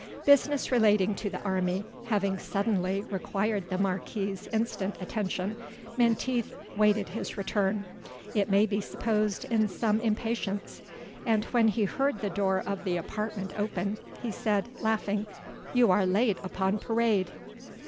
Business relating to the army having suddenly required the Marquis's instant attention, Menteith waited his return, it may be supposed, in some impatience; and when he heard the door of the apartment open, he said, laughing, "You are late upon parade."